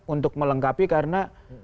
untuk melengkapi karena